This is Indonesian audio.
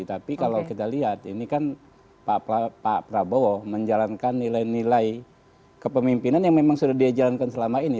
tapi kalau kita lihat ini kan pak prabowo menjalankan nilai nilai kepemimpinan yang memang sudah dia jalankan selama ini